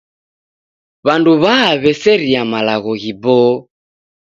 W'andu w'aw'eseria malagho ghiboo.